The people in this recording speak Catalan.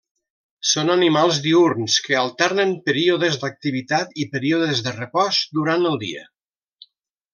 Són animals diürns que alternen períodes d'activitat i períodes de repòs durant el dia.